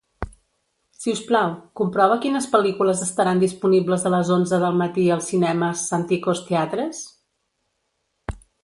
Si us plau, comprova quines pel·lícules estaran disponibles a les onze del matí als cinemes Santikos Theatres?